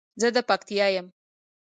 زه د پکتیا یم